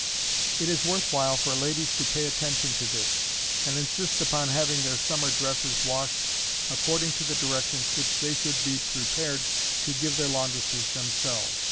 It is worth while for ladies to pay attention to this, and insist upon having their summer dresses washed according to the directions which they should be prepared to give their laundresses themselves.